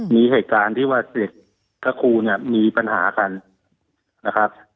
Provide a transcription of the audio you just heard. มีเหตุการณ์ที่ทราบทางสลิตมีปัญหากันนะครับ